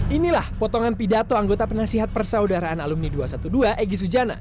inilah potongan pidato anggota penasihat persaudaraan alumni dua ratus dua belas egy sujana